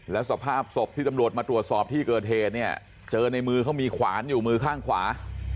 แล้วสภาพศพที่ตำรวจมาตรวจสอบที่เกิดเหตุเนี่ยเจอในมือเขามีขวานอยู่มือข้างขวา